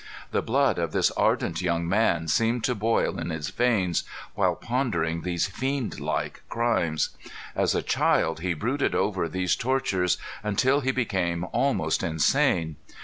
The blood of this ardent young man seemed to boil in his veins, while pondering these fiend like crimes. As a child he brooded over these tortures until he became almost insane.